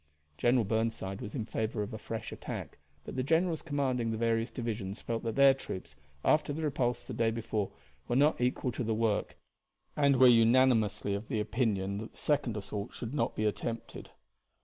General Burnside was in favor of a fresh attack, but the generals commanding the various divisions felt that their troops, after the repulse the day before, were not equal to the work, and were unanimously of opinion that a second assault should not be attempted.